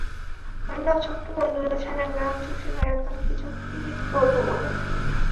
আমরা ছোট্ট বন্ধুরা সারা গ্রাম চষে বেড়াতাম কিছু চুরি করব বলে।